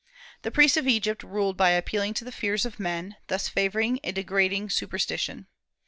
The priests of Egypt ruled by appealing to the fears of men, thus favoring a degrading superstition.